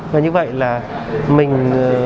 và như vậy là mình